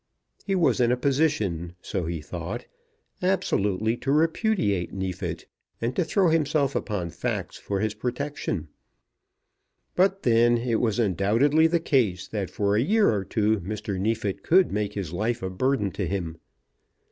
He was in a position, so he thought, absolutely to repudiate Neefit, and to throw himself upon facts for his protection; but then it was undoubtedly the case that for a year or two Mr. Neefit could make his life a burden to him.